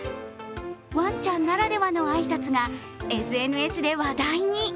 ワンちゃんならではの挨拶がＳＮＳで話題に。